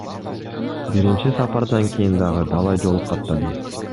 Биринчи сапардан кийин дагы далай жолу каттадым.